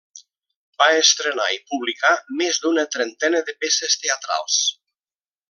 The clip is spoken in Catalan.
Va estrenar i publicar més d'una trentena de peces teatrals.